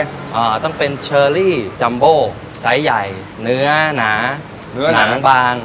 อ่าต้องเป็นเชอรี่จัมโบสายใหญ่เนื้อหนาหนังบาง